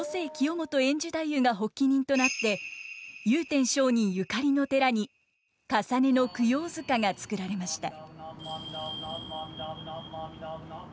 太夫が発起人となって祐天上人ゆかりの寺に累の供養塚が作られました。